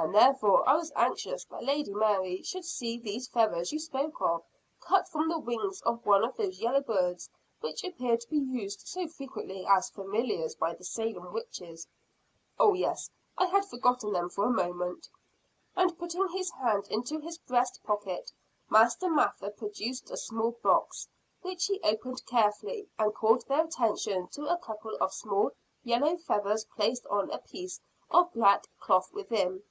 And therefore I was anxious that Lady Mary should see these feathers you spoke of, cut from the wings of one of those yellow birds which appear to be used so frequently as familiars by the Salem witches." "Oh, yes, I had forgotten them for the moment." And putting his hand into his breast pocket, Master Mather produced a small box, which he opened carefully and called their attention to a couple of small yellow feathers placed on a piece of black cloth within.